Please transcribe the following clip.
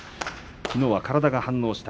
きのうは体が反応した。